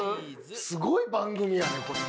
すごい番組やねこれ。